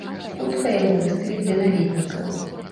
Хутка яго выставяць для наведнікаў.